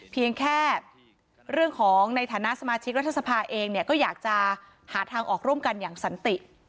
เพียงแค่เรื่องของในฐานะสมาชิกรัฐสภาเองเนี่ยก็อยากจะหาทางออกร่วมกันอย่างสันติ